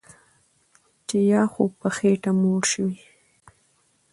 چې یا خو په خېټه موړ شوی